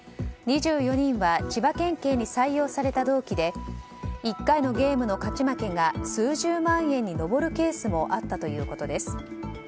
２４人は千葉県警に採用された同期で１回のゲームの勝ち負けが数十万円に上るケースもあったということです。